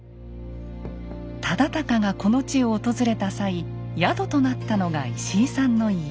忠敬がこの地を訪れた際宿となったのが石井さんの家。